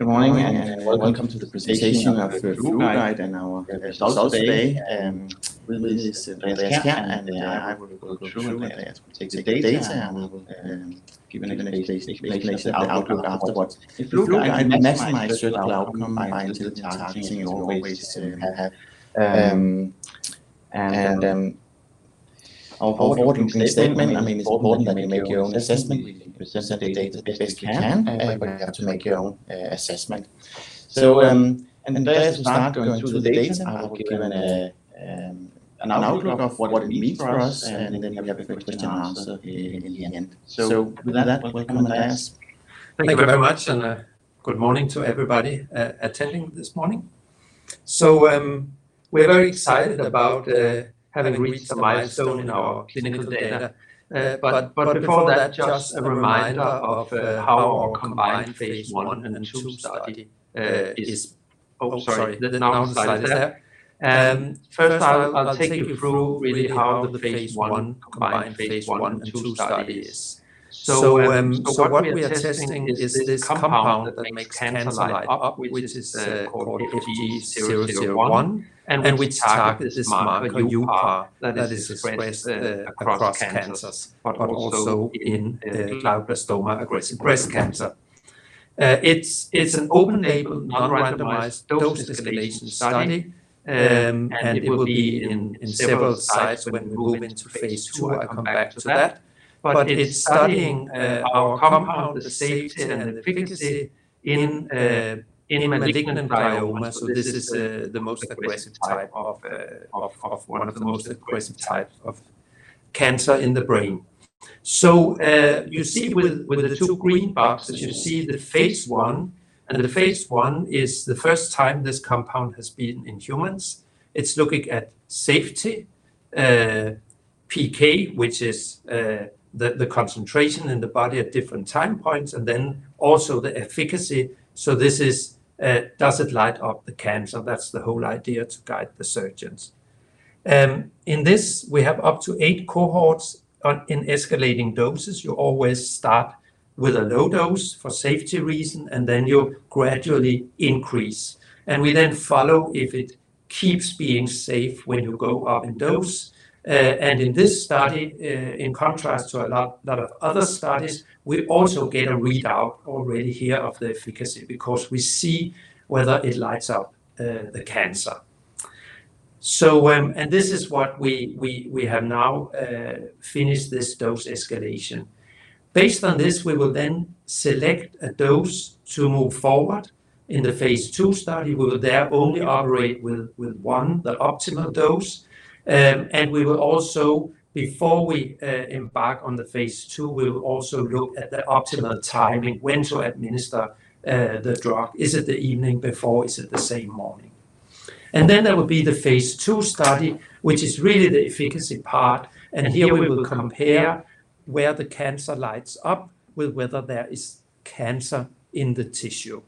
Good morning, welcome, Andreas. Thank you very much, good morning to everybody attending this morning. We're very excited about having reached a milestone in our clinical data. Before that, just a reminder of how our combined phase I and II study is. It is studying our compound, the safety and the efficacy in malignant glioma. This is one of the most aggressive types of cancer in the brain. You see with the two green boxes, you see the phase I. The phase I is the first time this compound has been in humans. It's looking at safety, PK, which is the concentration in the body at different time points, and then also the efficacy. This is, does it light up the cancer? That's the whole idea to guide the surgeons. In this, we have up to eight cohorts in escalating doses. You always start with a low dose for safety reason, and then you gradually increase. We then follow if it keeps being safe when you go up in dose. In this study, in contrast to a lot of other studies, we also get a readout already here of the efficacy because we see whether it lights up the cancer. This is what we have now finished this dose escalation. Based on this, we will select a dose to move forward in the phase II study. We will there only operate with one, the optimal dose. We will also, before we embark on the phase II, we will also look at the optimal timing, when to administer the drug. Is it the evening before? Is it the same morning? There will be the Phase II study, which is really the efficacy part. Here we will compare where the cancer lights up with whether there is cancer in the tissue.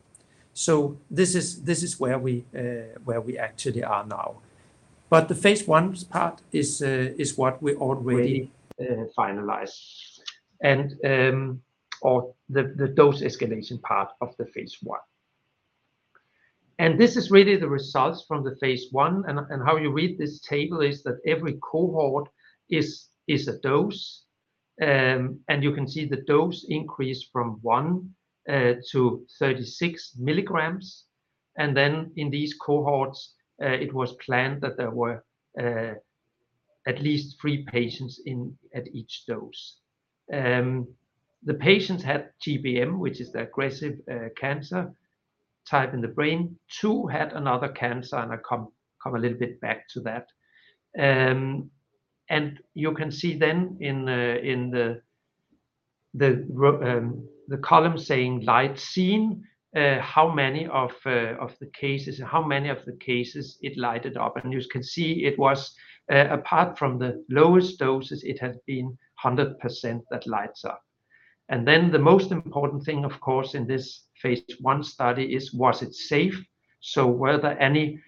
This is where we actually are now. The phase I part is what we already finalized, or the dose-escalation part of the phase I. This is really the results from the phase I. How you read this table is that every cohort is a dose. You can see the dose increased from one to 36 mg. In these cohorts, it was planned that there were at least three patients at each dose. The patients had GBM, which is the aggressive cancer type in the brain. Two had another cancer, and I come a little bit back to that. You can see in the column saying light seen, how many of the cases it lighted up. You can see it was, apart from the lowest doses, it has been 100% that lights up. The most important thing, of course, in this phase I study is was it safe? Were there any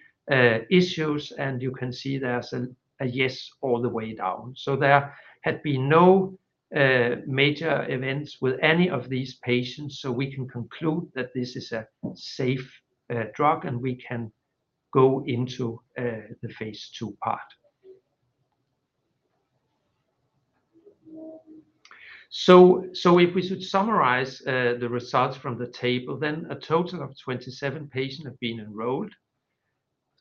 issues? You can see there's a yes all the way down. There had been no major events with any of these patients, so we can conclude that this is a safe drug, and we can go into the phase II part. If we should summarize the results from the table, then a total of 27 patients have been enrolled.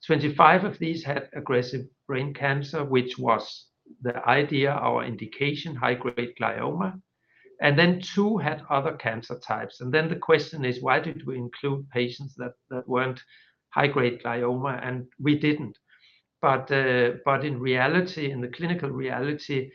25 of these had aggressive brain cancer, which was the idea, our indication, high-grade glioma. Two had other cancer types. The question is, why did we include patients that weren't high-grade glioma? We didn't. In reality, in the clinical reality,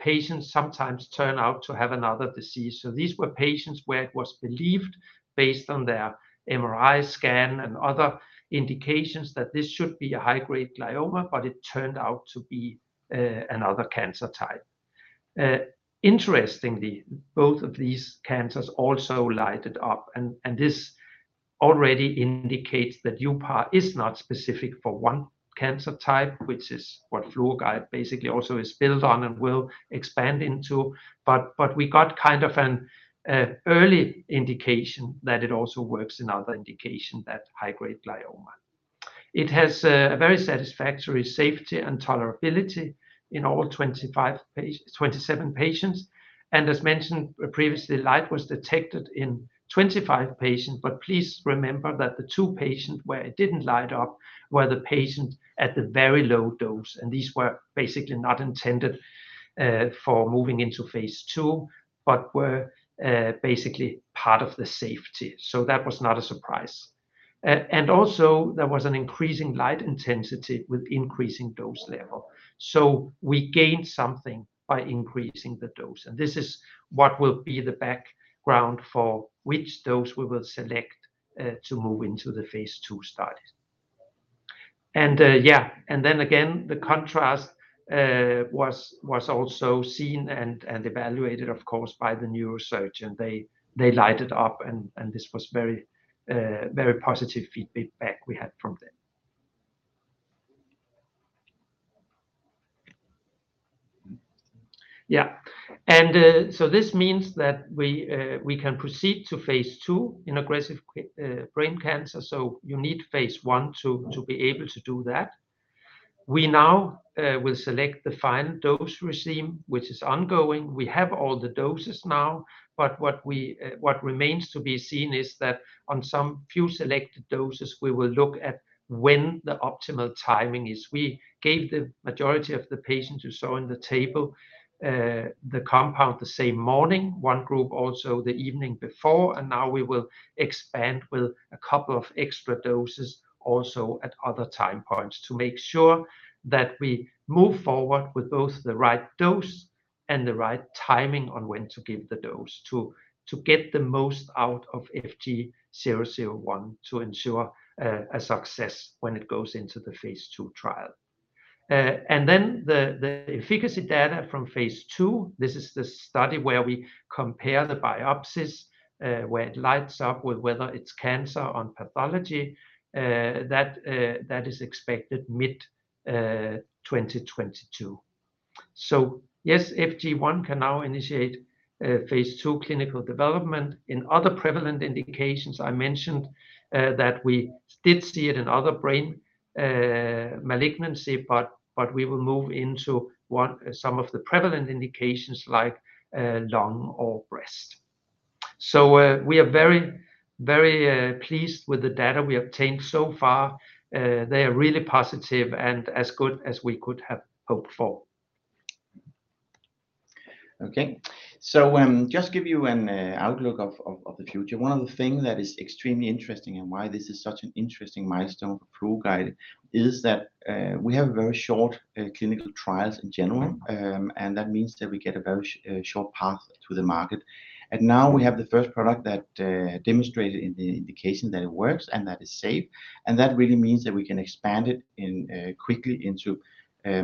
patients sometimes turn out to have another disease. These were patients where it was believed based on their MRI scan and other indications that this should be a high-grade glioma, but it turned out to be another cancer type. Interestingly, both of these cancers also lighted up. This already indicates that uPAR is not specific for one cancer type, which is what FluoGuide basically also is built on and will expand into. We got an early indication that it also works in other indication, that high-grade glioma. It has a very satisfactory safety and tolerability in all 27 patients. As mentioned previously, light was detected in 25 patients. Please remember that the two patients where it didn't light up were the patients at the very low dose, and these were basically not intended for moving into phase II but were basically part of the safety. That was not a surprise. Also, there was an increasing light intensity with increasing dose level. We gained something by increasing the dose, and this is what will be the background for which dose we will select to move into the phase II studies. Then again, the contrast was also seen and evaluated, of course, by the neurosurgeon. They lighted up, and this was very positive feedback we had from them. This means that we can proceed to phase II in aggressive brain cancer. You need phase I to be able to do that. We now will select the final dose regime, which is ongoing. We have all the doses now, but what remains to be seen is that on some few selected doses, we will look at when the optimal timing is. We gave the majority of the patients you saw in the table the compound the same morning, one group also the evening before. Now we will expand with a couple of extra doses also at other time points to make sure that we move forward with both the right dose and the right timing on when to give the dose to get the most out of FG001 to ensure a success when it goes into the phase II trial. The efficacy data from phase II, this is the study where we compare the biopsies where it lights up with whether it is cancer on pathology, that is expected mid-2022. Yes, FG001 can now initiate phase II clinical development. In other prevalent indications, I mentioned that we did see it in other brain malignancy. We will move into some of the prevalent indications like lung or breast. We are very pleased with the data we obtained so far. They are really positive and as good as we could have hoped for. Okay. Just give you an outlook of the future. One of the things that is extremely interesting and why this is such an interesting milestone for FluoGuide is that we have very short clinical trials in general. That means that we get a very short path to the market. Now we have the first product that demonstrated in the indication that it works and that is safe. That really means that we can expand it quickly into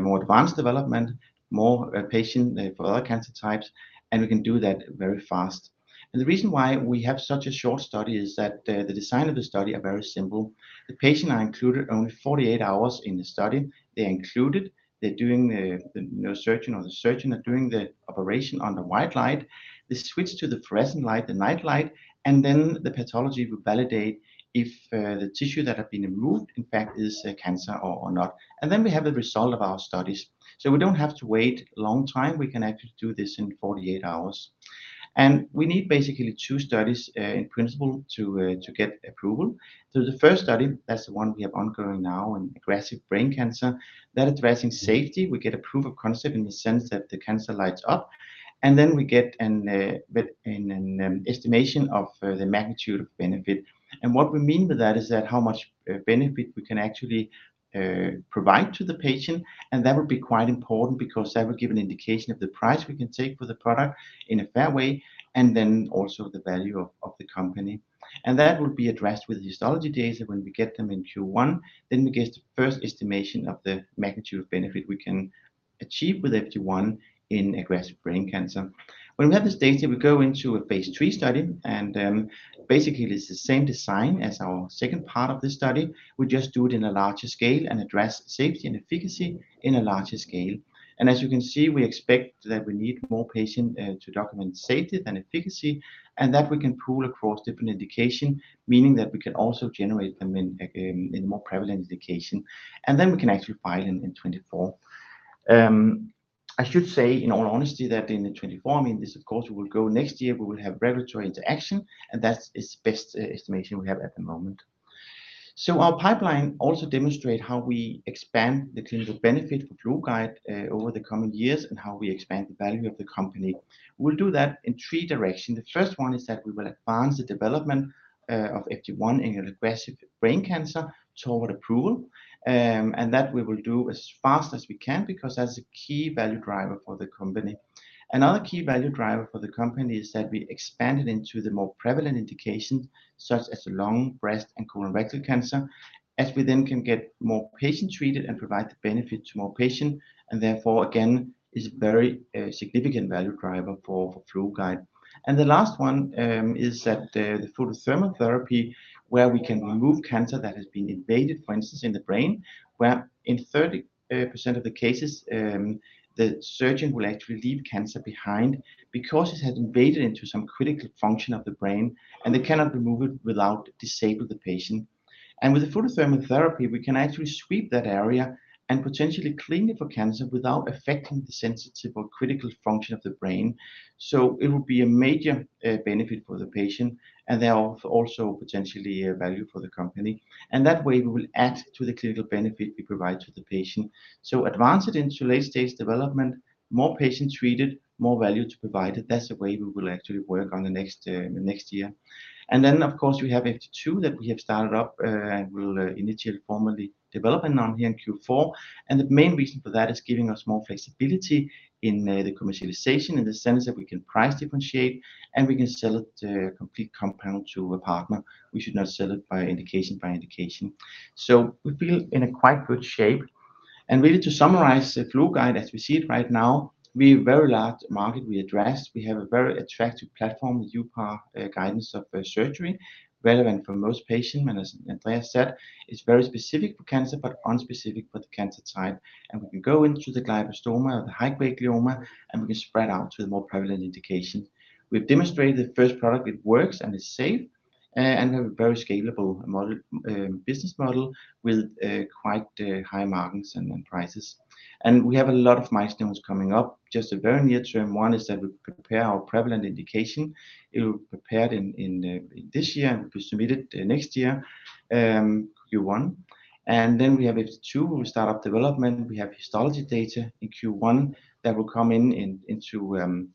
more advanced development, more patient for other cancer types, and we can do that very fast. The reason why we have such a short study is that the design of the study are very simple. The patient are included only 48 hrs in the study. They're included. The neurosurgeon or the surgeon are doing the operation under white light. They switch to the fluorescent light, the near-infrared light, the pathology will validate if the tissue that have been removed, in fact, is cancer or not. We have the result of our studies. We don't have to wait long time. We can actually do this in 48 hrs. We need basically two studies in principle to get approval. The 1st study, that's the one we have ongoing now in aggressive brain cancer, that addressing safety. We get a proof of concept in the sense that the cancer lights up, we get an estimation of the magnitude of benefit. What we mean by that is that how much benefit we can actually provide to the patient. That will be quite important because that will give an indication of the price we can take for the product in a fair way and then also the value of the company. That will be addressed with the histology data when we get them in Q1, then we get the first estimation of the magnitude of benefit we can achieve with FG001 in aggressive brain cancer. When we have this data, we go into a phase III study. Basically, it's the same design as our second part of the study. We just do it in a larger scale and address safety and efficacy in a larger scale. As you can see, we expect that we need more patients to document safety than efficacy, and that we can pool across different indications, meaning that we can also generate them in more prevalent indications. We can actually file in 2024. I should say, in all honesty, that in the 2024, meaning this, of course, will go next year, we will have regulatory interaction, and that is best estimation we have at the moment. Our pipeline also demonstrate how we expand the clinical benefit for FluoGuide over the coming years and how we expand the value of the company. We'll do that in three direction. The first one is that we will advance the development of FG001 in aggressive brain cancer toward approval. That we will do as fast as we can because that's a key value driver for the company. Another key value driver for the company is that we expand it into the more prevalent indications such as lung, breast, and colorectal cancer, as we then can get more patients treated and provide the benefit to more patients. Therefore, again, is a very significant value driver for FluoGuide. The last one is that the photothermal therapy, where we can remove cancer that has been invaded, for instance, in the brain, where in 30% of the cases, the surgeon will actually leave cancer behind because it has invaded into some critical function of the brain, and they cannot remove it without disabling the patient. With the photothermal therapy, we can actually sweep that area and potentially clean it for cancer without affecting the sensitive or critical function of the brain. It will be a major benefit for the patient, and then also potentially a value for the company. That way, we will add to the clinical benefit we provide to the patient. Advanced into late-stage development, more patients treated, more value to provide. That's the way we will actually work on the next year. Of course, we have FG002 that we have started up and will initially formally develop now here in Q4. The main reason for that is giving us more flexibility in the commercialization in the sense that we can price differentiate, and we can sell it complete compound to a partner. We should not sell it indication by indication. We feel in a quite good shape. Really to summarize the FluoGuide as we see it right now, we have a very large market we address. We have a very attractive platform, the uPAR guidance of surgery relevant for most patients. As Andreas said, it's very specific for cancer, but unspecific for the cancer type. We can go into the glioblastoma or the high-grade glioma, and we can spread out to the more prevalent indication. We've demonstrated the first product, it works and is safe, and we have a very scalable business model with quite high margins and prices. We have a lot of milestones coming up. Just a very near-term one is that we prepare our prevalent indication. It will be prepared in this year and be submitted next year, Q1. We have FG002 where we start up development. We have histology data in Q1 that will come into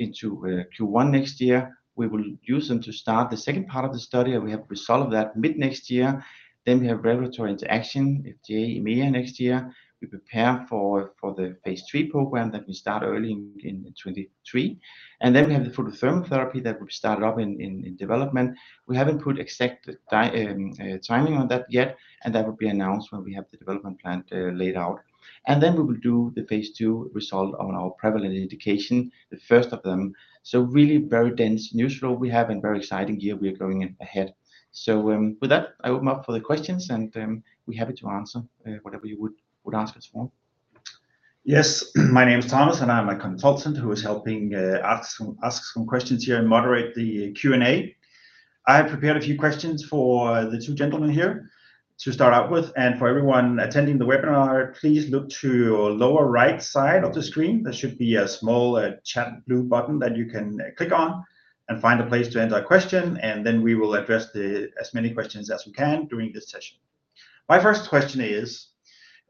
Q1 next year. We will use them to start the second part of the study, and we have result of that mid-next year. We have regulatory interaction with the EMA next year. We prepare for the phase III program that we start early in 2023. We have the photothermal therapy that we started up in development. We haven't put exact timing on that yet, and that will be announced when we have the development plan laid out. Then we will do the phase II result on our prevalent indication, the first of them. Really very dense news flow we have and very exciting year we are going in ahead. With that, I open up for the questions, and we're happy to answer whatever you would ask us for. Yes. My name is Thomas. I'm a consultant who is helping ask some questions here and moderate the Q&A. I have prepared a few questions for the two gentlemen here to start out with. For everyone attending the webinar, please look to your lower right side of the screen. There should be a small chat blue button that you can click on and find a place to enter a question. Then we will address as many questions as we can during this session. My first question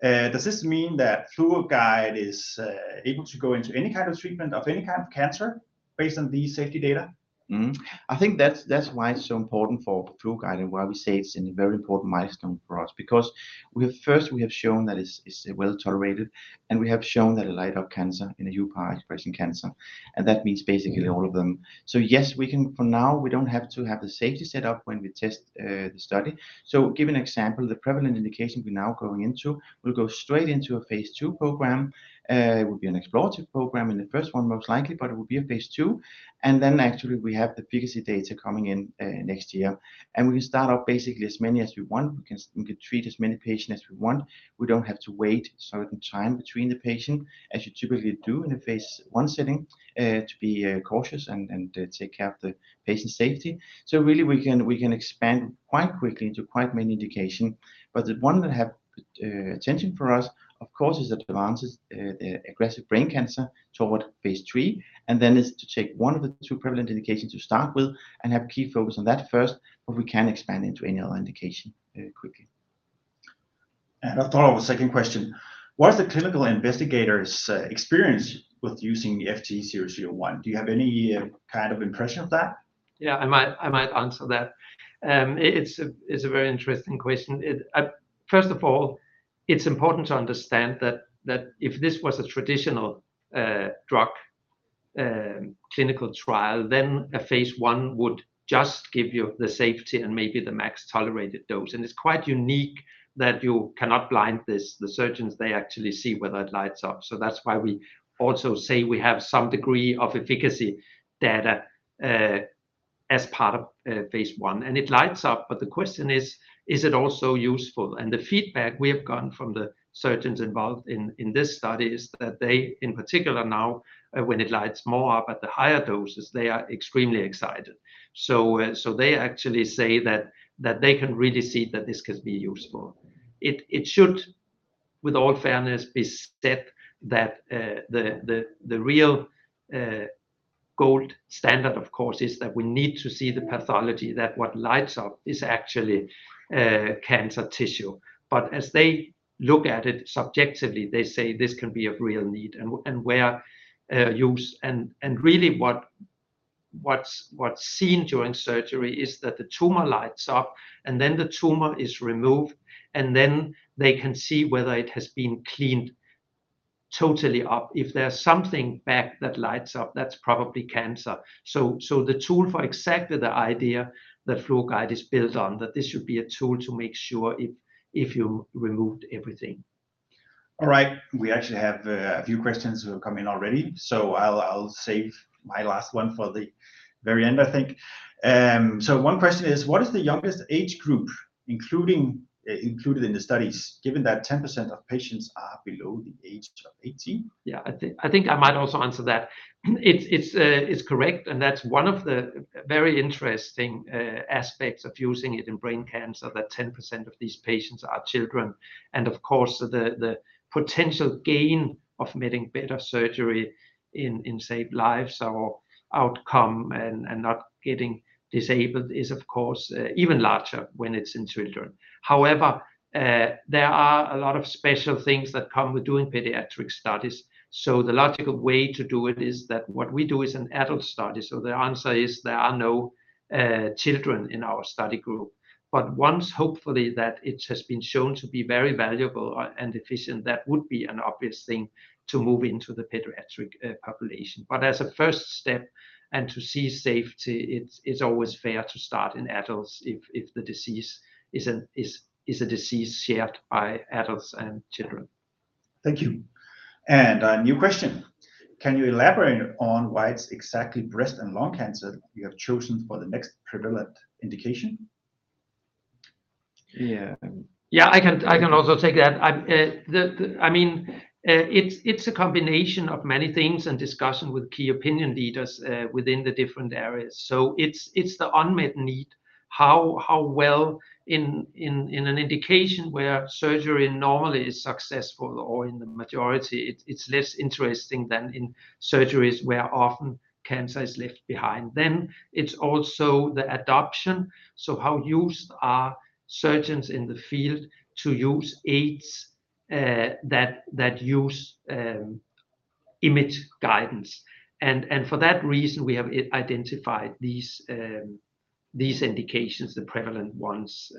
is, does this mean that FluoGuide is able to go into any kind of treatment of any kind of cancer based on the safety data? I think that's why it's so important for FluoGuide and why we say it's a very important milestone for us because first, we have shown that it's well-tolerated. We have shown that it lights up cancer in a uPAR expressing cancer. That means basically all of them. Yes, we can for now, we don't have to have the safety set up when we test the study. Give an example, the prevalent indication we're now going into will go straight into a Phase II program. It will be an explorative program in the first one, most likely, but it will be a Phase II. Then actually, we have the efficacy data coming in next year. We can start up basically as many as we want. We can treat as many patients as we want. We don't have to wait certain time between the patient, as you typically do in a phase I setting, to be cautious and take care of the patient's safety. Really, we can expand quite quickly into quite many indication. The one that have attention for us, of course, is advances aggressive brain cancer toward phase III, and then is to take one of the two prevalent indications to start with and have key focus on that first. We can expand into any other indication quickly. I thought of a second question. What is the clinical investigator's experience with using the FG001? Do you have any kind of impression of that? Yeah, I might answer that. It's a very interesting question. First of all, it's important to understand that if this was a traditional drug clinical trial, then a phase I would just give you the safety and maybe the maximum tolerated dose. It's quite unique that you cannot blind this. The surgeons, they actually see whether it lights up. That's why we also say we have some degree of efficacy data as part of phase I. It lights up, but the question is it also useful? The feedback we have gotten from the surgeons involved in this study is that they, in particular now, when it lights more up at the higher doses, they are extremely excited. They actually say that they can really see that this could be useful. It should, with all fairness, be said that the real gold standard, of course, is that we need to see the pathology, that what lights up is actually cancer tissue. As they look at it subjectively, they say this can be of real need and where used. Really what's seen during surgery is that the tumor lights up, and then the tumor is removed, and then they can see whether it has been cleaned totally up. If there's something back that lights up, that's probably cancer. The tool for exactly the idea that FluoGuide is built on, that this should be a tool to make sure if you removed everything. All right. We actually have a few questions coming already. I'll save my last one for the very end, I think. One question is, what is the youngest age group included in the studies, given that 10% of patients are below the age of 18? I think I might also answer that. It's correct, that's one of the very interesting aspects of using it in brain cancer, that 10% of these patients are children. Of course, the potential gain of getting better surgery in saved lives or outcome and not getting disabled is of course even larger when it's in children. However, there are a lot of special things that come with doing pediatric studies. The logical way to do it is that what we do is an adult study. The answer is there are no children in our study group. Once, hopefully, that it has been shown to be very valuable and efficient, that would be an obvious thing to move into the pediatric population. As a first step and to see safety, it's always fair to start in adults if the disease is a disease shared by adults and children. Thank you. A new question. Can you elaborate on why it's exactly breast and lung cancer you have chosen for the next prevalent indication? Yeah. Yeah, I can also take that. It's a combination of many things and discussion with key opinion leaders within the different areas. It's the unmet need, how well in an indication where surgery normally is successful or in the majority, it's less interesting than in surgeries where often cancer is left behind. It's also the adoption. How used are surgeons in the field to use aids that use image guidance. For that reason, we have identified these indications, the prevalent ones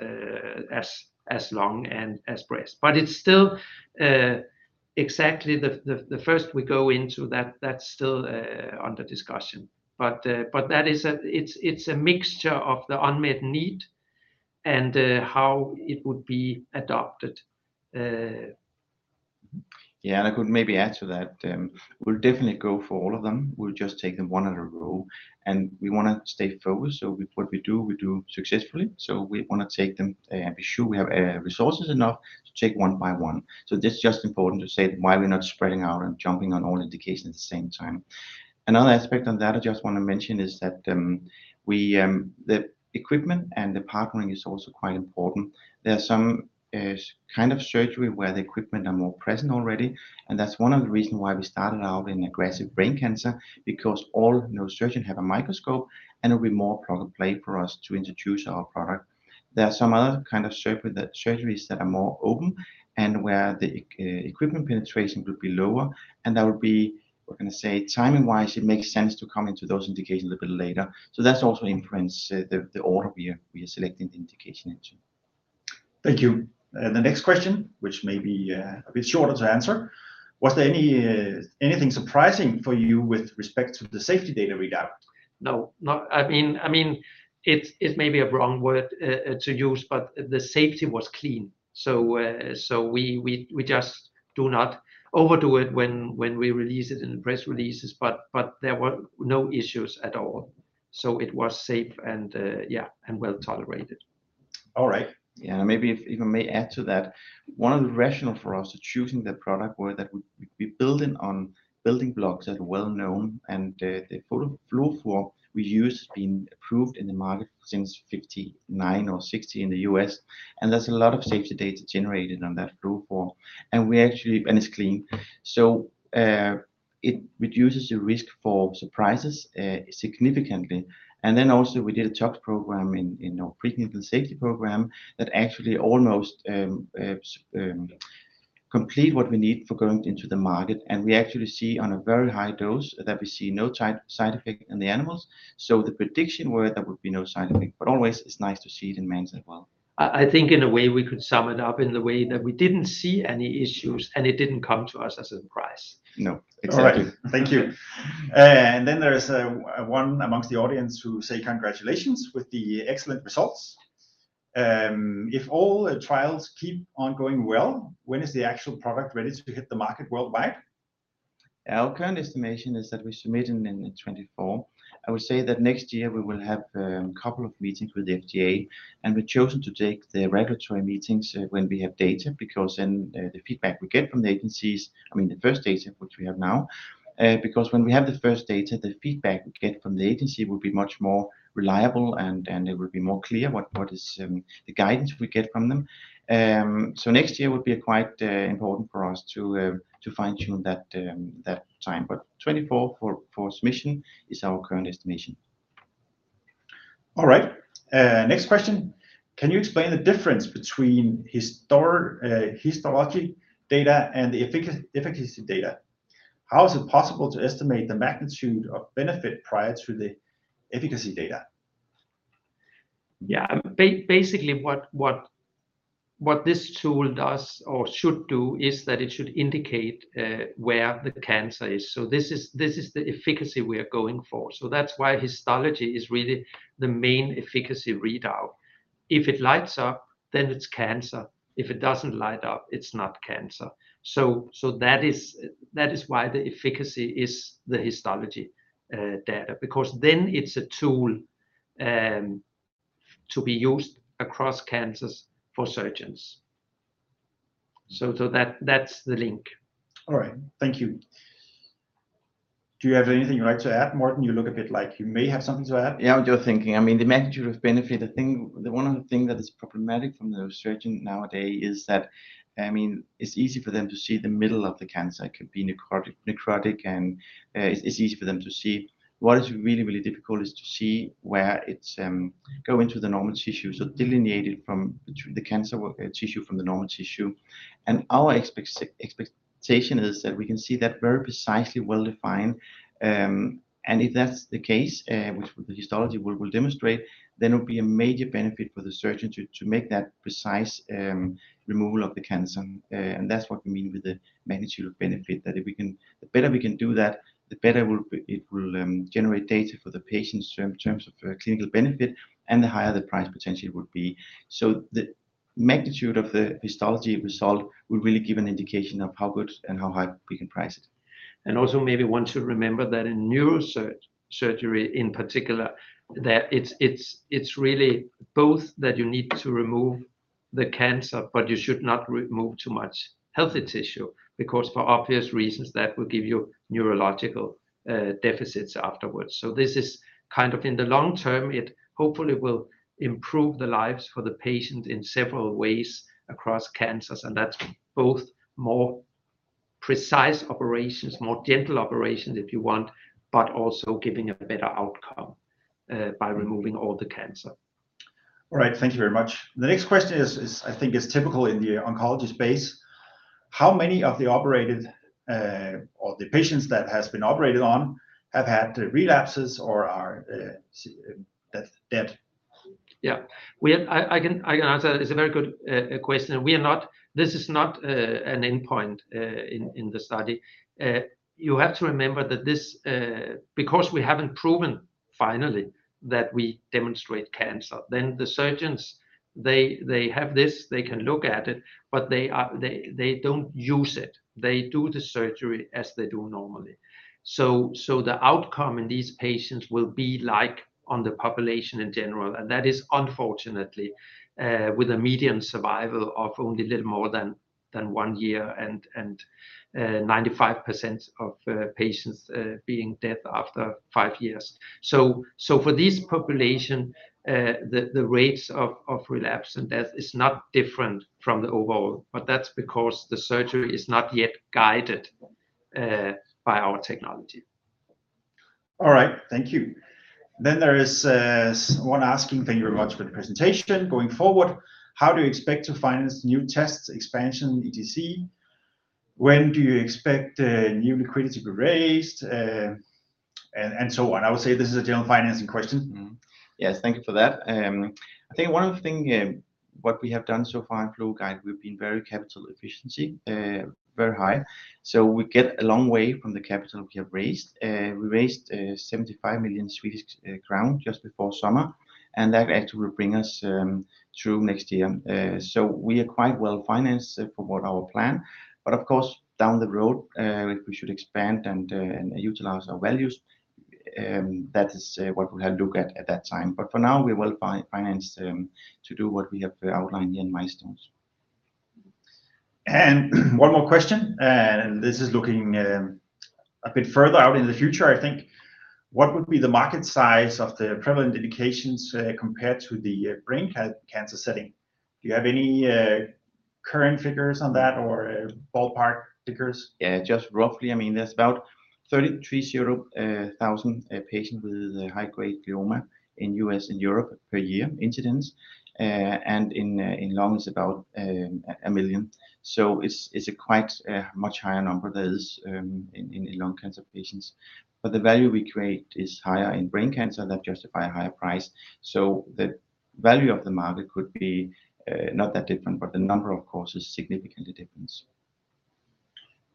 as lung and as breast. It's still exactly the first we go into, that's still under discussion. It's a mixture of the unmet need and how it would be adopted. Yeah, I could maybe add to that. We'll definitely go for all of them. We'll just take them one at a row, we want to stay focused. What we do, we do successfully. We want to take them and be sure we have resources enough to take one by one. This is just important to say why we're not spreading out and jumping on all indications at the same time. Another aspect on that I just want to mention is that the equipment and the partnering is also quite important. There are some kind of surgery where the equipment are more present already, and that's one of the reason why we started out in aggressive brain cancer because all neurosurgeon have a microscope and it'll be more plug and play for us to introduce our product. There are some other kind of surgeries that are more open and where the equipment penetration would be lower, and that would be, we're going to say, timing-wise, it makes sense to come into those indications a little later. That also imprints the order we are selecting the indication into. Thank you. The next question, which may be a bit shorter to answer. Was there anything surprising for you with respect to the safety data readout? No. It may be a wrong word to use, but the safety was clean. We just do not overdo it when we release it in the press releases, but there were no issues at all. It was safe and well-tolerated. All right. Yeah. Maybe if I may add to that. One of the rationale for us choosing the product were that we're building on building blocks that are well-known, and the fluorophore we use been approved in the market since 1959 or 1960 in the U.S., and there's a lot of safety data generated on that fluorophore, and it's clean. It reduces the risk for surprises significantly. Also we did a toxicology program in our preclinical safety program that actually almost complete what we need for going into the market. We actually see on a very high dose that we see no side effect in the animals. The prediction were there would be no side effect, but always it's nice to see it in man as well. I think in a way we could sum it up in the way that we didn't see any issues, and it didn't come to us as a surprise. No, exactly. All right. Thank you. There is one amongst the audience who say congratulations with the excellent results. If all the trials keep on going well, when is the actual product ready to hit the market worldwide? Our current estimation is that we submit in 2024. I would say that next year we will have two meetings with the FDA, and we've chosen to take the regulatory meetings when we have data, because then the feedback we get from the agencies, I mean, the first data, which we have now. Because when we have the first data, the feedback we get from the agency will be much more reliable, and it will be more clear what is the guidance we get from them. Next year will be quite important for us to fine-tune that time. 2024 for submission is our current estimation. All right. Next question. Can you explain the difference between histologic data and the efficacy data? How is it possible to estimate the magnitude of benefit prior to the efficacy data? Yeah. Basically what this tool does or should do is that it should indicate where the cancer is. This is the efficacy we are going for. That's why histology is really the main efficacy readout. If it lights up, then it's cancer. If it doesn't light up, it's not cancer. That is why the efficacy is the histology data, because then it's a tool to be used across cancers for surgeons. That's the link. All right, thank you. Do you have anything you'd like to add, Morten? You look a bit like you may have something to add. Yeah, I'm just thinking. The magnitude of benefit, the one thing that is problematic from the surgeon nowadays is that it's easy for them to see the middle of the cancer. It could be necrotic, and it's easy for them to see. What is really difficult is to see where it's going to the normal tissue, so delineating between the cancer tissue from the normal tissue. Our expectation is that we can see that very precisely well-defined. If that's the case, which the histology will demonstrate, then it'll be a major benefit for the surgeon to make that precise removal of the cancer. That's what we mean with the magnitude of benefit, that the better we can do that, the better it will generate data for the patients in terms of clinical benefit and the higher the price potentially would be. The magnitude of the histology result will really give an indication of how good and how high we can price it. Also maybe one should remember that in neurosurgery in particular, that it's really both that you need to remove the cancer, but you should not remove too much healthy tissue, because for obvious reasons, that will give you neurological deficits afterwards. This is kind of in the long term, it hopefully will improve the lives for the patient in several ways across cancers, and that's both more precise operations, more gentle operations if you want, but also giving a better outcome by removing all the cancer. All right, thank you very much. The next question is I think is typical in the oncologist space. How many of the operated or the patients that has been operated on have had relapses or are dead? Yeah. I can answer that. It is a very good question. This is not an endpoint in the study. You have to remember that because we haven't proven finally that we demonstrate cancer, then the surgeons, they have this, they can look at it, but they don't use it. They do the surgery as they do normally. The outcome in these patients will be like on the population in general, and that is unfortunately with a median survival of only a little more than one year and 95% of patients being dead after five years. For this population, the rates of relapse and death is not different from the overall, but that's because the surgery is not yet guided by our technology. All right, thank you. There is someone asking, thank you very much for the presentation. Going forward, how do you expect to finance new tests, expansion, etc.? When do you expect new liquidity to be raised and so on? I would say this is a general financing question. Yes, thank you for that. I think one of the things what we have done so far in FluoGuide, we've been very capital efficiency, very high. We get a long way from the capital we have raised. We raised 75 million Swedish crown just before summer, and that actually will bring us through next year. We are quite well-financed for what our plan. Of course, down the road, if we should expand and utilize our values, that is what we'll have look at at that time. For now, we are well-financed to do what we have outlined in milestones. One more question, and this is looking a bit further out into the future, I think. What would be the market size of the prevalent indications compared to the brain cancer setting? Do you have any current figures on that or ballpark figures? Yeah, just roughly, there's about 330,000 patients with high-grade glioma in U.S. and Europe per year incidence. In lungs, about 1 million. It's a quite much higher number than it is in lung cancer patients. The value we create is higher in brain cancer that justify a higher price. The value of the market could be not that different, but the number of course is significantly different.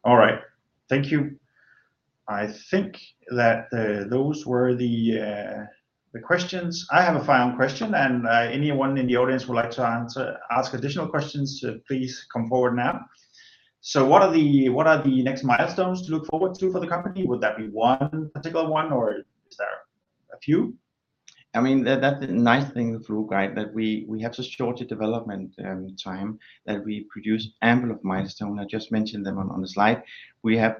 All right. Thank you. I think that those were the questions. I have a final question. Anyone in the audience would like to ask additional questions, please come forward now. What are the next milestones to look forward to for the company? Would that be one particular one, or is there a few? The nice thing with FluoGuide that we have such shorter development time that we produce ample of milestone. I just mentioned them on the slide. We have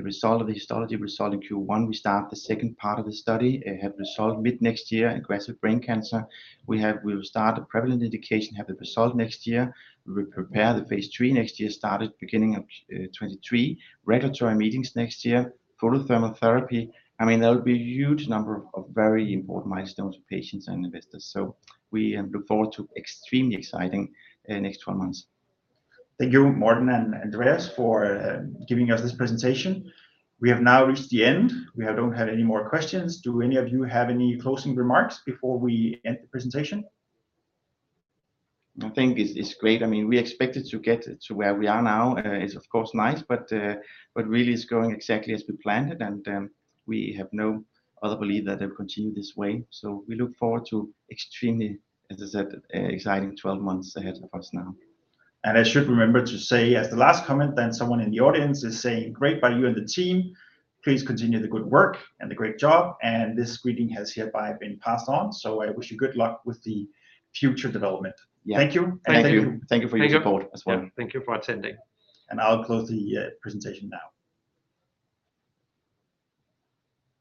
the result of the histology result in Q1. We start the second part of the study. Have result mid-next year, aggressive brain cancer. We will start a prevalent indication, have the result next year. We will prepare the phase III next year, start at beginning of 2023. Regulatory meetings next year. Photothermal therapy. There'll be a huge number of very important milestones for patients and investors. We look forward to extremely exciting next 12 months. Thank you, Morten and Andreas, for giving us this presentation. We have now reached the end. We don't have any more questions. Do any of you have any closing remarks before we end the presentation? I think it's great. We expected to get to where we are now is of course nice, but really it's going exactly as we planned it and we have no other belief that it will continue this way. We look forward to extremely, as I said, exciting 12 months ahead of us now. I should remember to say as the last comment, then someone in the audience is saying, "Great by you and the team. Please continue the good work and the great job." This greeting has hereby been passed on, so I wish you good luck with the future development. Yeah. Thank you. Thank you. Thank you. Thank you for your support as well. Yeah. Thank you for attending. I'll close the presentation now.